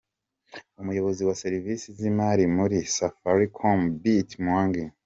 Umuyobozi wa Serivisi z’ imari muri Safaricom, Betty Mwangi,.